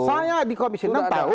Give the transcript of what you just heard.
saya di komisi nampak